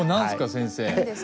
先生。